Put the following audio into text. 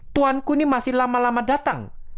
tuhanku ini masih lama lama datang